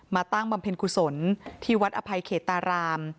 ตั้งบำเพ็ญกุศลที่วัดอภัยเขตตาราม